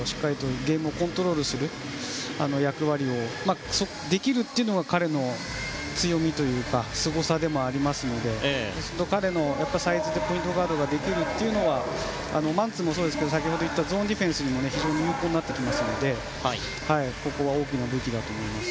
ゲームをコントロールする役割ができるというのが彼の強みというかすごさでもありますので彼のサイズでポイントガードができるというのはマンツーもそうですけどゾーンディフェンスにも非常に有効になりますのでここは大きな武器だと思います。